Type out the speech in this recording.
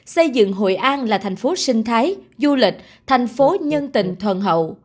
xây dựng hội an là thành phố sinh thái du lịch thành phố nhân tình thuần hậu